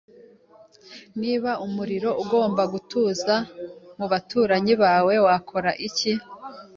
Niba umuriro ugomba gutura mu baturanyi bawe, wakora iki?